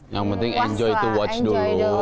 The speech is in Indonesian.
yang penting enjoy itu watch dulu